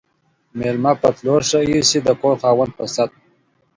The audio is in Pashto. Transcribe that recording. ميلمه په تلو ښه ايسي ، د کور خاوند په ست.